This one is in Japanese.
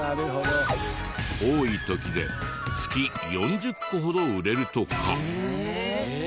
多い時で月４０個ほど売れるとか。